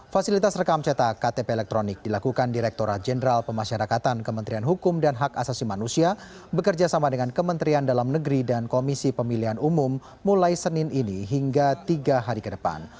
fasilitas rekam cetak ktp elektronik dilakukan direkturat jenderal pemasyarakatan kementerian hukum dan hak asasi manusia bekerja sama dengan kementerian dalam negeri dan komisi pemilihan umum mulai senin ini hingga tiga hari ke depan